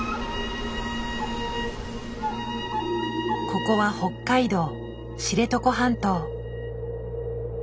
ここは北海道知床半島。